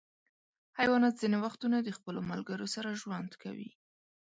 حیوانات ځینې وختونه د خپلو ملګرو سره ژوند کوي.